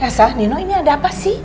kasa nino ini ada apa sih